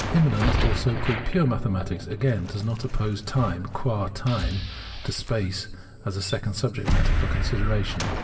Inamanent or so called pure mathematics, again, does not oppose, time qua time to space, as a second subject matter for consideration.